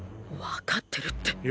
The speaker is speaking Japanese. わかってるって！！